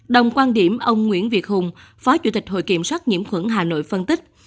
đồng quan điểm ông nguyễn việt hùng phó chủ tịch hội kiểm soát nhiễm khuẩn hà nội phân tích